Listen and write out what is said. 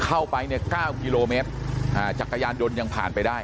เข้าไปเนี่ยเก้ากิโลเมตรอ่าจักรยานยนต์ยังผ่านไปได้